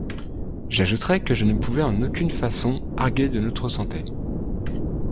J'ajouterai que je ne pouvais en aucune façon arguer de notre santé.